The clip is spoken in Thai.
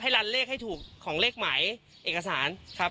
รันเลขให้ถูกของเลขหมายเอกสารครับ